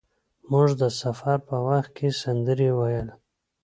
موږ د سفر په وخت کې سندرې ویل.